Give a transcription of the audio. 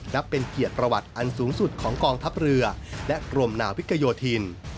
นับเป็นเกียรติประวัติอันสูงสุดของกองทัพเรือและกรมนาวิกโยธิน